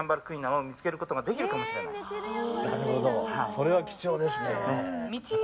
それは貴重ですね。